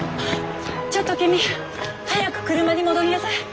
ちょっと君早く車に戻りなさい。